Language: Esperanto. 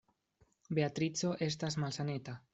Beatrico estas malsaneta.